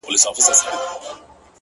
نن داخبره درلېږمه تاته ـ